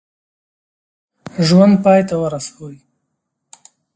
ژوند پای ته ورسوي.